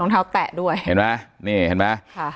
เห็นมั้ย